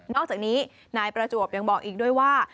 อกจากนี้นายประจวบยังบอกอีกด้วยว่า